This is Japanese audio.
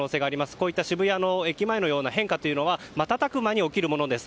こういった渋谷の駅前のような変化は瞬く間に起きるものです。